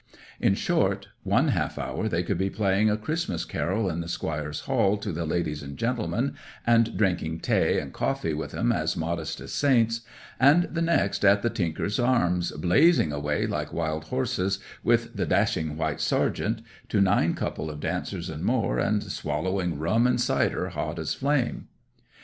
In short, one half hour they could be playing a Christmas carol in the squire's hall to the ladies and gentlemen, and drinking tea and coffee with 'em as modest as saints; and the next, at The Tinker's Arms, blazing away like wild horses with the "Dashing White Sergeant" to nine couple of dancers and more, and swallowing rum and cider hot as flame.